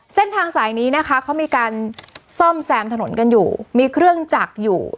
เส้นทางสายนี้นะคะเขามีการซ่อมแซมถนนกันอยู่มีเครื่องจักรอยู่